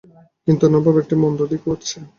কিন্তু অন্যভাবে এর একটি মন্দ দিকও আছে।